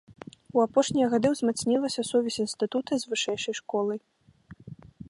У апошнія гады ўзмацнілася сувязь інстытута з вышэйшай школай.